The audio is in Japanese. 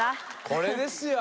これですよ